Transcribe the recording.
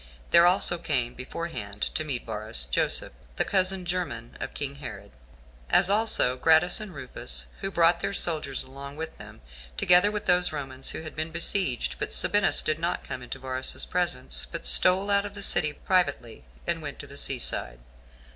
There also came beforehand to meet Varus, Joseph, the cousin german of king Herod, as also Gratus and Rufus, who brought their soldiers along with them, together with those Romans who had been besieged; but Sabinus did not come into Varus's presence, but stole out of the city privately, and went to the sea side.